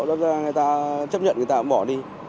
rồi người ta chấp nhận người ta cũng bỏ đi